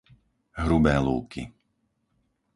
Hrubé lúky